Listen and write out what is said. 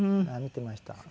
見てました。